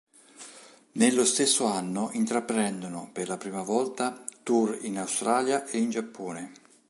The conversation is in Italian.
Nello stesso anno intraprendono, per la prima volta, tour in Australia e in Giappone.